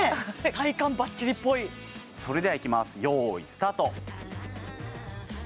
体幹バッチリっぽいそれではいきますよーいスタート